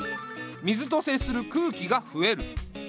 水と接する空気が増える。